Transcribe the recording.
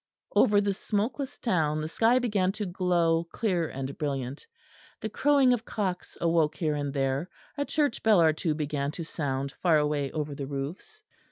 Over the smokeless town the sky began to glow clear and brilliant. The crowing of cocks awoke here and there; a church bell or two began to sound far away over the roofs.